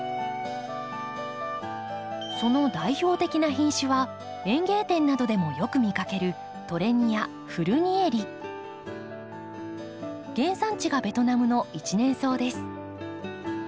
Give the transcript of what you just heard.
その代表的な品種は園芸店などでもよく見かける原産地がベトナムの一年草です。